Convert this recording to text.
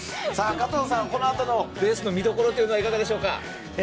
加藤さん、このあとのレースの見どころはいかがでしょうか。